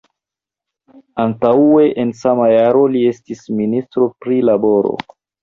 Antaŭe en sama jaro li estis ministro pri laboro.